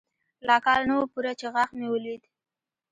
لا کال نه و پوره چې غاښ مې ولوېد.